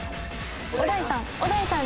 小田井さん。